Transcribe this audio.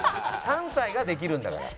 ３歳ができるんだから。